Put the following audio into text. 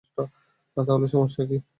তাহলে সমস্যা কি?